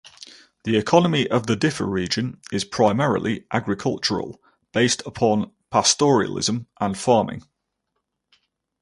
The economy of the Diffa Region is primarily agricultural, based upon pastoralism and farming.